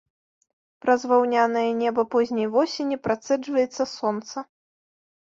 Праз ваўнянае неба позняй восені працэджваецца сонца.